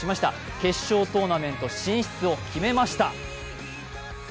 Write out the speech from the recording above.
決勝トーナメント進出を決めました。